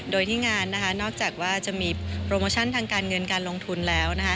โดยที่งานนะคะนอกจากว่าจะมีโปรโมชั่นทางการเงินการลงทุนแล้วนะคะ